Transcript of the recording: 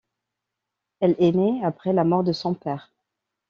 Elle est née après la mort de son père.